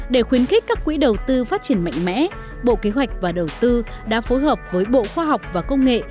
để khuyến khích các quỹ đầu tư phát triển mạnh mẽ bộ kế hoạch và đầu tư đã phối hợp với bộ khoa học và công nghệ